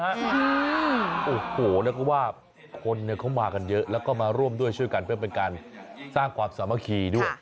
โอ้โหเรียกว่าคนเขามากันเยอะแล้วก็มาร่วมด้วยช่วยกันเพื่อเป็นการสร้างความสามัคคีด้วย